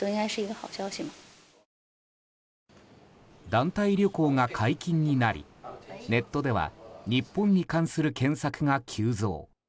団体旅行が解禁になりネットでは日本に関する検索が急増。